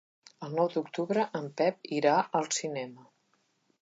El nou d'octubre en Pep irà al cinema.